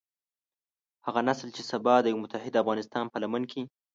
هغه نسل چې سبا د يوه متحد افغانستان په لمن کې.